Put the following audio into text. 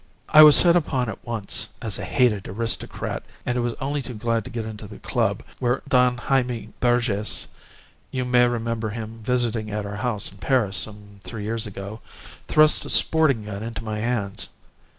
I was set upon at once as a hated aristocrat, and was only too glad to get into the club, where Don Jaime Berges (you may remember him visiting at our house in Paris some three years ago) thrust a sporting gun into my hands.